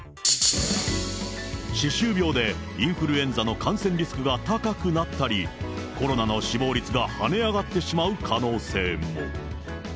歯周病でインフルエンザの感染リスクが高くなったり、コロナの死亡率が跳ね上がってしまう可能性も。